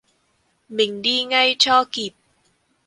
Mình đi ngay cho kịp